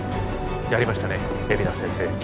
やりましたね海老名先生。